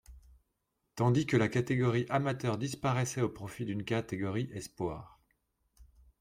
Tandis que la catégorie amateur disparaissait au profit d'une catégorie Espoir.